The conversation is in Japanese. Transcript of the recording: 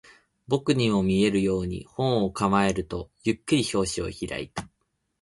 僕にも見えるように、本を構えると、ゆっくり表紙を開いた